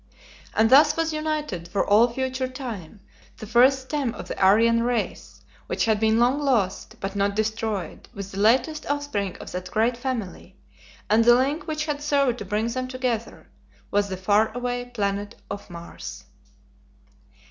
And thus was united, for all future time, the first stem of the Aryan race, which had been long lost, but not destroyed, with the latest offspring of that great family, and the link which had served to bring them together was the far away planet of Mars.